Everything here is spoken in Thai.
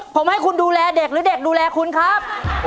ผมให้คุณดูแลเด็กหรือเด็กดูแลคุณครับ